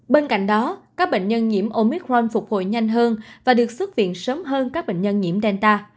bên cạnh đó các bệnh nhân nhiễm omicron phục hồi nhanh hơn và được xuất viện sớm hơn các bệnh nhân nhiễm delta